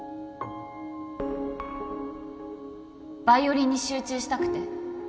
ヴァイオリンに集中したくて